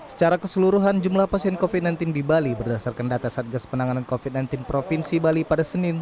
secara keseluruhan jumlah pasien covid sembilan belas di bali berdasarkan data satgas penanganan covid sembilan belas provinsi bali pada senin